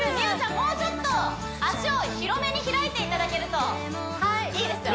もうちょっと足を広めに開いていただけるといいですよ